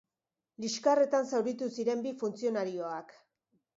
Liskarretan zauritu ziren bi funtzionarioak.